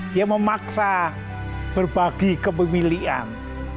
dia memaksa berbagi kepemilihan